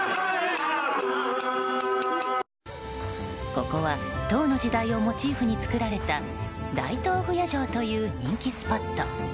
ここは唐の時代をモチーフに作られた大唐不夜城という人気スポット。